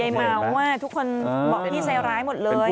เมาทุกคนบอกพี่ใจร้ายหมดเลย